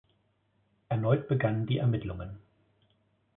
Erneut begannen die Ermittlungen.